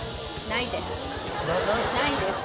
ないです。